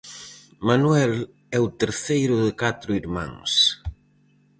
Manuel é o terceiro de catro irmáns.